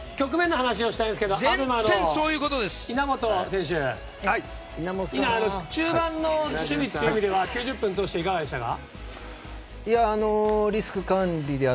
今の話をしたいんですがＡＢＥＭＡの稲本選手中盤の守備という意味では９０分通していかがでしたか？